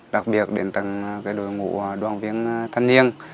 đặc biệt đến tầng đội ngũ đoàn viên thanh niên